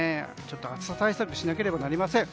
暑さ対策しなければなりません。